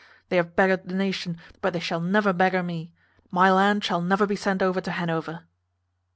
They have beggared the nation, but they shall never beggar me. My land shall never be sent over to Hanover."